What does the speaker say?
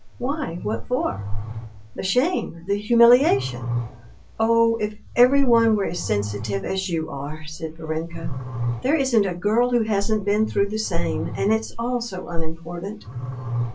"Why, what for?" "The shame, the humiliation!" "Oh! if everyone were as sensitive as you are!" said Varenka. "There isn't a girl who hasn't been through the same. And it's all so unimportant."